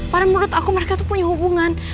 padahal menurut aku mereka tuh punya hubungan